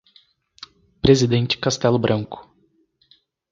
Presidente Castello Branco